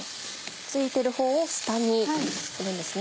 付いてるほうを下に入れるんですね。